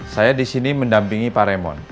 saya disini mendampingi pak remon